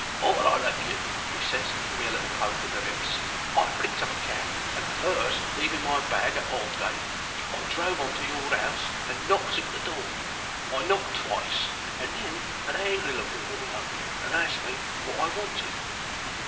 "Arter I left you," he ses, giving me a little poke in the ribs, "I picked up a cab and, fust leaving my bag at Aldgate, I drove on to your 'ouse and knocked at the door. I knocked twice, and then an angry looking woman opened it and asked me wot I wanted.